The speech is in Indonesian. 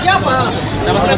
siapa yang bilang kamu salah